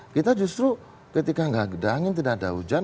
kita justru ketika gak ada angin tidak ada hujan